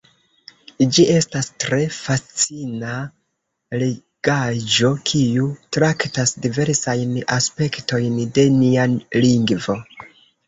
Ĝi estas tre fascina legaĵo, kiu traktas diversajn aspektojn de nia lingvo.